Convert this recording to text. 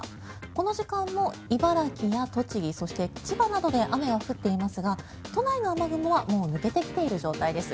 この時間も茨城や栃木、そして千葉などで雨は降っていますが都内の雨雲はもう抜けてきている状態です。